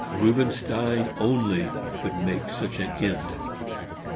Rubinstein only could make such an end!